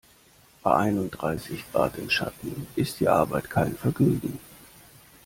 Bei einunddreißig Grad im Schatten ist die Arbeit kein Vergnügen.